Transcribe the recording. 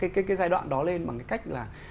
cái giai đoạn đó lên bằng cái cách là